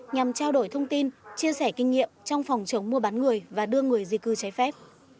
nhằm trao đổi thông tin chia sẻ kinh nghiệm trong phòng chống mua bán người và đưa người di cư trái phép